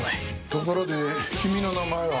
ところで君の名前は？